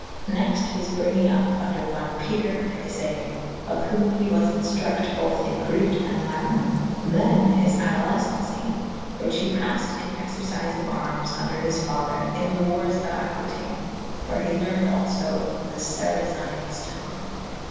Nexte / his bryngynge vp vnder one Peter Pyfane / of whome he was inftructe bothe in Greke and Laten. Than his adoleffencie / whiche he paffed in exercife of armes vnder his fader in the warres of Acquitaine / where he lerned alfo the Sarazynes tonge.